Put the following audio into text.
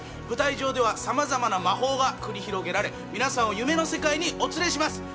舞台上ではさまざまな魔法が繰り広げられ、皆さんを夢の世界にお連れします。